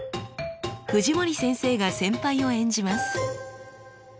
藤森先生が先輩を演じます。